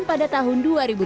pada tahun dua ribu tujuh belas